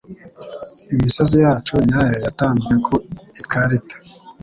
Imisozi yacu nyayo yatanzwe ku ikarita